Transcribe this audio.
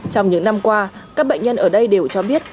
trong những năm qua các bệnh nhân ở đây đều cho biết